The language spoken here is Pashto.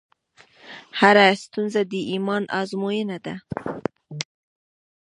هره ستونزه د ایمان ازموینه ده.